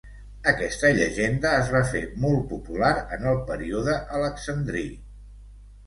Aquesta llegenda es va fer molt popular en el període alexandrí.